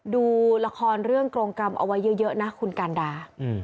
ดูละครเรื่องกรงกรรมเอาไว้เยอะนะคุณกันดา